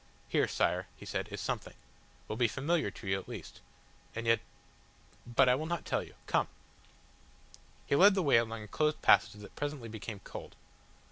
"Here, Sire," he said, "is something will be familiar to you at least and yet . But I will not tell you. Come!" He led the way along a closed passage that presently became cold.